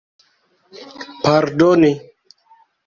pardoni